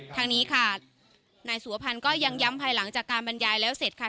ทางนี้ค่ะนายสุวพันธ์ก็ยังย้ำภายหลังจากการบรรยายแล้วเสร็จค่ะ